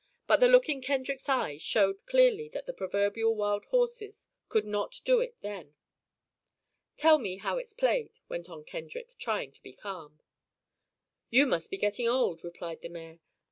But the look in Kendrick's eyes showed clearly that the proverbial wild horses could not do it then. "Tell me how it's played," went on Kendrick, trying to be calm. "You must be getting old," replied the mayor.